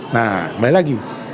nah kembali lagi